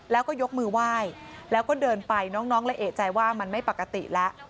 แล้วก็ยกมือไหว้แล้วก็เดินไปน้องเลยเอกใจว่ามันไม่ปกติแล้ว